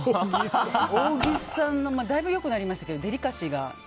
小木さん、だいぶ良くなりましたけどデリカシーが。